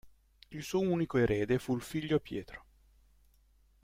Suo unico erede fu il figlio Pietro.